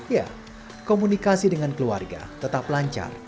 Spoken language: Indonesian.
ya komunikasi dengan keluarga tetap lancar